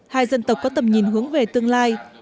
hai dân tộc có tầm nhìn hướng về tương lai